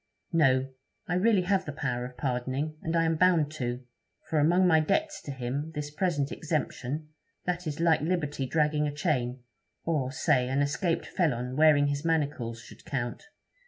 'No; I really have the power of pardoning, and I am bound to; for among my debts to him, this present exemption, that is like liberty dragging a chain, or, say, an escaped felon wearing his manacles, should count.